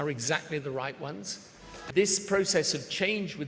mereka mulai membuat keputusan yang perlu